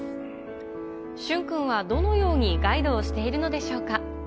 駿君はどのようにガイドをしているのでしょうか。